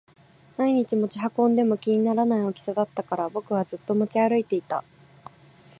毎日持ち運んでも気にならない大きさだったから僕はずっと持ち歩いていた